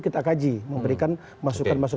kita kaji memberikan masukan masukan